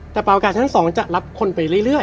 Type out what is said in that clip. แต่เปล่ากาศชั้น๒จะรับคนไปเรื่อย